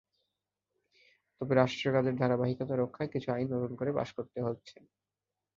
তবে রাষ্ট্রীয় কাজের ধারাবাহিকতা রক্ষায় কিছু আইন নতুন করে পাস করতে হচ্ছে।